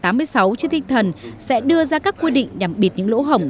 trên tinh thần sẽ đưa ra các quy định nhằm bịt những lỗ hỏng